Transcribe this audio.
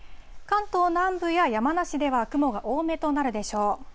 関東南部や山梨では雲が多めとなるでしょう。